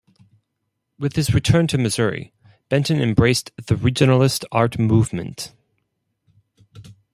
With his return to Missouri, Benton embraced the Regionalist art movement.